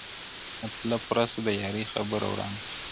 مطلب پوره سو د يارۍ خبره ورانه سوله,